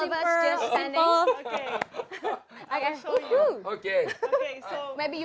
sekarang kita berdua lima orang yang sudah bertemu